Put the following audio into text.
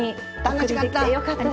楽しかった！